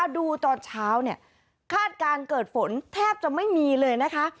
ดูตอนเช้าเนี่ยคาดการณ์เกิดฝนแทบจะไม่มีเลยนะคะ